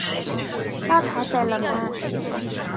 到台北了嗎？